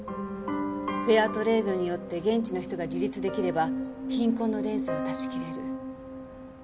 フェアトレードによって現地の人が自立できれば貧困の連鎖は断ち切れる。